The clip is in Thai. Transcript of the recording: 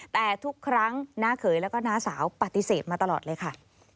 แต่ทุกครั้งน้าเขยแล้วก็น้าสาวปฏิเสธมาตลอดเลยค่ะ